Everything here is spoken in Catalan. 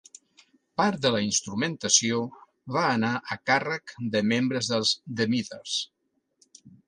Part de la instrumentació va anar a càrrec de membres dels The Meters.